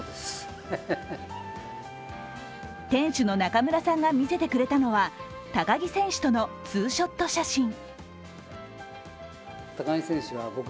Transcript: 店主の中村さんが見せてくれたのは高木選手とのツーショット写真。